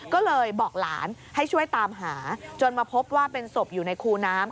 ก็เลยบอกหลานให้ช่วยตามหาจนมาพบว่าเป็นศพอยู่ในคูน้ำ